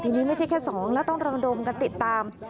ทีนี้ไม่ใช่แค่๒แล้วต้องระดมกันติดตาม